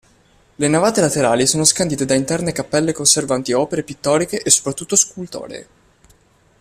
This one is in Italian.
Le navate laterali sono scandite da interne cappelle conservanti opere pittoriche e soprattutto scultoree.